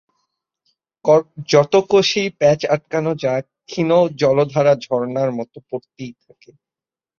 যত কষেই প্যাঁচ আটকানো যাক ক্ষীণ জলধারা ঝরনার মতো পড়তেই থাকে।